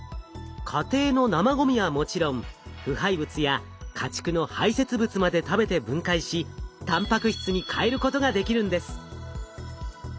家庭の生ごみはもちろん腐敗物や家畜の排せつ物まで食べて分解したんぱく質に変えることができるんです。